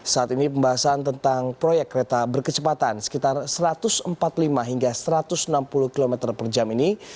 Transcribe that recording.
saat ini pembahasan tentang proyek kereta berkecepatan sekitar satu ratus empat puluh lima hingga satu ratus enam puluh km per jam ini